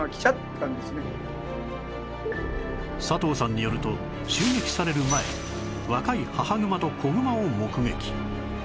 佐藤さんによると襲撃される前若い母グマと子グマを目撃